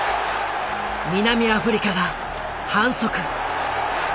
南アフリカが反則。